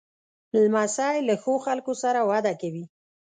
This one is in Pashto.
لمسی له ښو خلکو سره وده کوي.